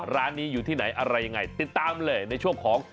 ร้านนี้อยู่ที่ไหนอะไรยังไงติดตามเลยในช่วงของ